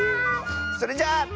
それじゃあ。